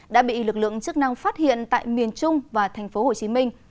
đã bị lực lượng chức năng phát hiện tại miền trung và thành phố hồ chí minh